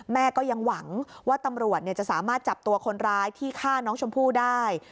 แม่ก็ยังหวังว่าตำรวจจะสามารถจับตัวคนร้ายที่ฆ่าน้องชมพู่ได้